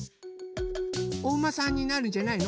おうまさんになるんじゃないの？